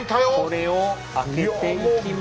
これを開けていきます。